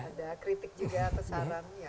ada kritik juga atau sarannya